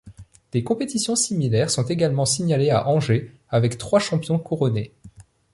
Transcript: Des compétitions similaires sont également signalées à Angers avec trois champions couronnés.